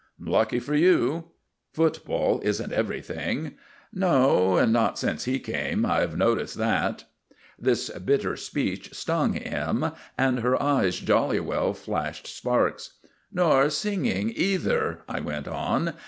"Lucky for you." "Football isn't everything." "No, not since he came; I've noticed that." This bitter speech stung M., and her eyes jolly well flashed sparks. "Nor singing either," I went on.